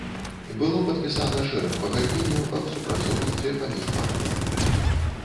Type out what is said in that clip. Было падпісана шэраг пагадненняў аб супрацоўніцтве паміж партыямі.